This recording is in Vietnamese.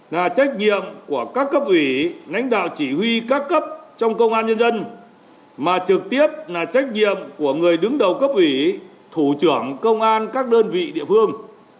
nhấn mạnh một số nhiệm của người đứng đầu cấp ủy thủ trưởng công an các đơn vị địa phương